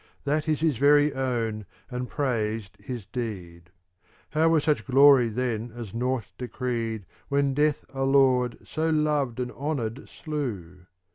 That is his very own, and praised his deed. How were such glory then as nought de creed When Death a lord so loved and honoured slew